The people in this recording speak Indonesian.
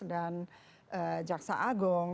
dan jaksa agung